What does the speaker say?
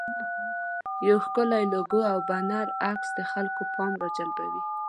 یو ښکلی لوګو او بنر عکس د خلکو پام ډېر راجلبوي.